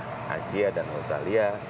kepala indonesia dan australia